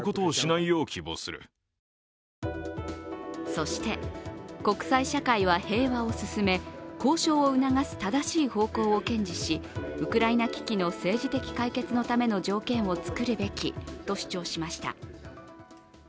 そして国際社会は平和を進め交渉を促す正しい方向を堅持しウクライナ危機の政治的解決のための条件を作るべきと主張しました。